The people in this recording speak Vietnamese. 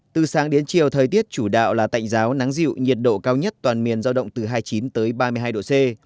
từ sáng đến chiều thời tiết chủ đạo là tạnh giáo nắng dịu nhiệt độ cao nhất toàn miền giao động từ hai mươi chín ba mươi hai độ c